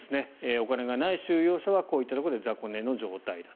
お金がない収容者はこういったところで雑魚寝の状態だと。